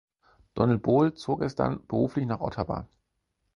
Donald Boal zog es dann beruflich nach Ottawa.